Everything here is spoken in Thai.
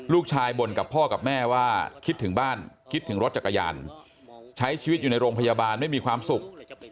ลูกชายบ่นกับพ่อกับแม่ว่าคิดถึงบ้านคิดถึงรถจักรยานใช้ชีวิตอยู่ในโรงพยาบาลไม่มีความสุข